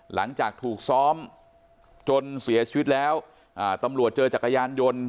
หลังจากถูกซ้อมจนเสียชีวิตแล้วตำรวจเจอจักรยานยนต์